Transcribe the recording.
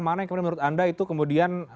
mana yang kemudian menurut anda itu kemudian